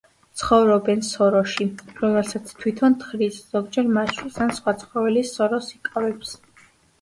ცხოვრობენ სოროში, რომელსაც თვითონ თხრის, ზოგჯერ მაჩვის ან სხვა ცხოველის სოროს იკავებს.